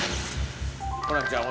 ホランちゃん